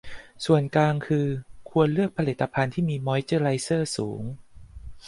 ส่วนกลางคืนควรเลือกผลิตภัณฑ์ที่มีมอยส์เจอไรเซอร์สูง